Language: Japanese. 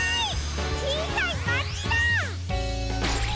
ちいさいまちだ！